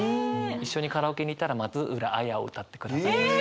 一緒にカラオケに行ったら松浦亜弥を歌ってくださいました。